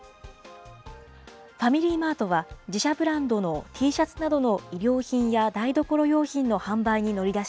ファミリーマートは、自社ブランドのＴシャツなどの衣料品や台所